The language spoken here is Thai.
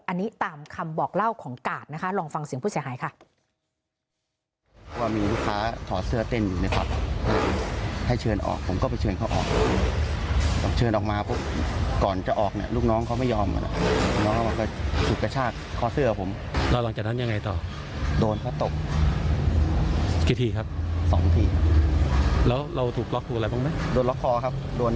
อันนี้ตามคำบอกเล่าของกาดนะคะลองฟังเสียงผู้เสียหายค่ะ